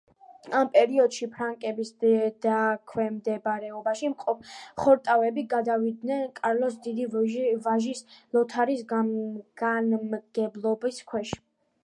ამ პერიოდში ფრანკების დაქვემდებარებაში მყოფი ხორვატები გადავიდნენ კარლოს დიდის ვაჟის ლოთარის განმგებლობის ქვეშ.